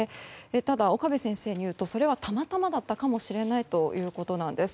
ただ、岡部先生によるとそれはたまたまだったかもしれないということなんです。